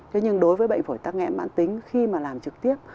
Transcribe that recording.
thế nhưng đối với bệnh phổi tắc nghẽ mãn tính khi mà làm trực tiếp